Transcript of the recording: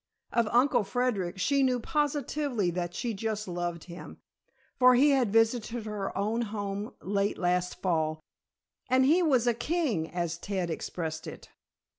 Of Uncle Frederic she knew positively that she just loved him, for he had visited her own home late last fall, and he was "a king" as Ted expressed it.